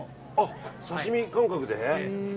刺し身感覚で。